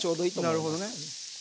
なるほどね。